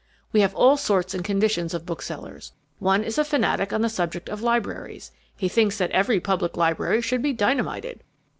We have all sorts and conditions of booksellers: one is a fanatic on the subject of libraries. He thinks that every public library should be dynamited.